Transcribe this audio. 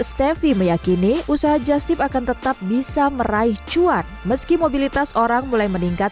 steffi meyakini usaha jastip akan tetap bisa meraih cuan meski mobilitas orang mulai meningkat